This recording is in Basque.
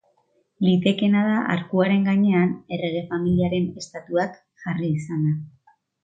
Litekeena da arkuaren gainean, errege familiaren estatuak jarri izana.